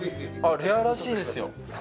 あっレアらしいですよ。